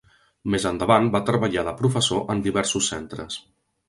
Més endavant va treballar de professor en diversos centres.